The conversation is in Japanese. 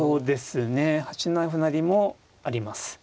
８七歩成もあります。